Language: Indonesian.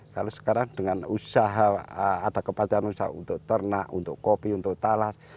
kalau sekarang dengan usaha ada kepacaraan usaha untuk ternak untuk kopi untuk talas